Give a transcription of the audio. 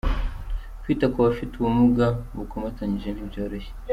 Kwita ku bafite ubumuga bukomatanyije ntibyoroshye.